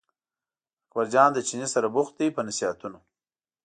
اکبرجان له چیني سره بوخت دی په نصیحتونو.